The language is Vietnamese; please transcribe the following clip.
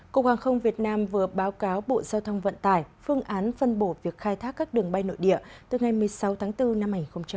cục hàng không việt nam vừa báo cáo bộ giao thông vận tải phương án phân bổ việc khai thác các đường bay nội địa từ ngày một mươi sáu tháng bốn năm hai nghìn hai mươi